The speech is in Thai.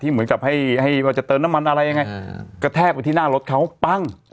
เหมือนกับให้ว่าจะเติมน้ำมันอะไรยังไงกระแทกไปที่หน้ารถเขาปั้ง